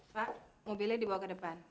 pak mobilnya dibawa ke depan